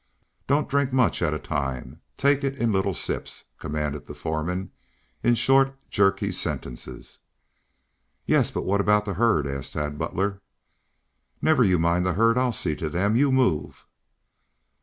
Don't drink much at a time. Take it in little sips," commanded the foreman in short, jerky sentences. "Yes, but what about the herd?" asked Tad Butler. "Never you mind the herd. I'll see to them. You move!"